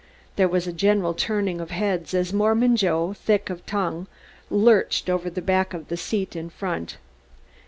There was a general turning of heads as Mormon Joe, thick of tongue, lurched over the back of the seat in front.